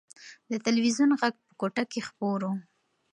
د تلویزون غږ په کوټه کې خپور و.